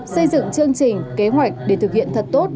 xây dựng chương trình kế hoạch để thực hiện thật tốt